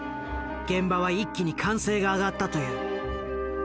現場は一気に歓声が上がったという。